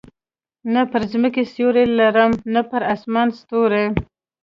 نه پر مځکه سیوری لرم، نه پر اسمان ستوری.